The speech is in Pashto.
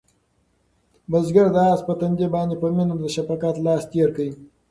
بزګر د آس په تندي باندې په مینه د شفقت لاس تېر کړ.